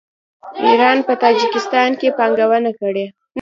ایران په تاجکستان کې پانګونه کړې.